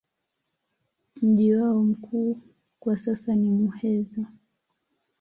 Mji wao mkuu kwa sasa ni Muheza.